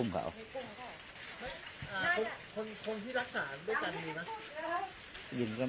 มีเยอะอยู่ไหมครับ